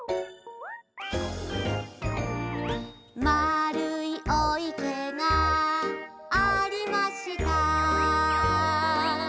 「まるいお池がありました」